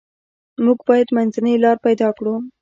موږ باید منځنۍ لار پیدا کړو.